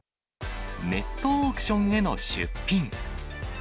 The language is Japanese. ネットオークションへの出品。